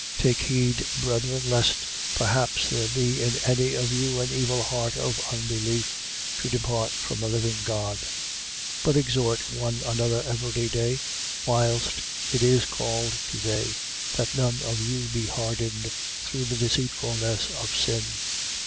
3:12. Take heed, brethren, lest perhaps there be in any of you an evil heart of unbelief, to depart from the living God. 3:13. But exhort one another every day, whilst it is called to day, that none of you be hardened through the deceitfulness of sin.